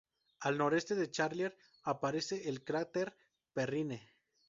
Al noreste de Charlier aparece el cráter Perrine.